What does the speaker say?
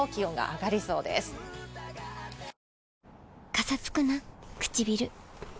カサつくなくちびる。